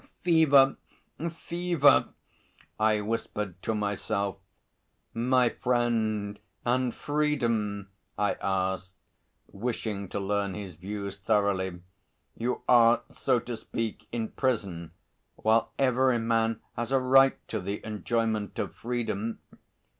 "Fever, fever!" I whispered to myself. "My friend, and freedom?" I asked, wishing to learn his views thoroughly. "You are, so to speak, in prison, while every man has a right to the enjoyment of freedom."